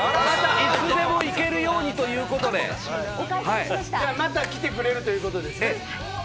いつでもいけるようにまた来てくれるということですね。